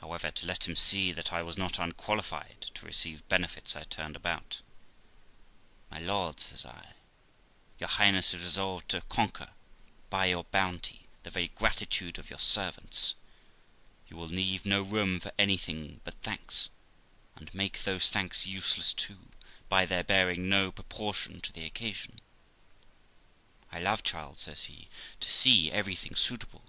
However, to let him see that I was not unqualified to receive benefits, I turned about: 'My lord', says I, 'your Highness is resolved to conquer, by your bounty, the very gratitude of your servants; you will leave no room for anything but thanks, and make those thanks useless too, by their bearing no proportion to the occasion.' 'I love, child', says he, 'to see everything suitable.